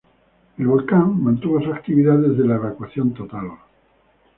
El volcán mantuvo su actividad desde la evacuación total.